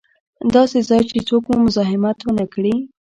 داسې ځای چې څوک مو مزاحمت و نه کړي.